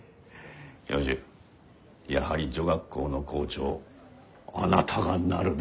教授やはり女学校の校長あなたがなるべきだ！